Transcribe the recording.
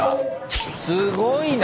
すごいな！